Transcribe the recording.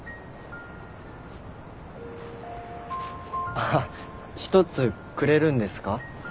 あっ１つくれるんですか？